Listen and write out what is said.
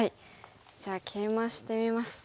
じゃあケイマしてみます。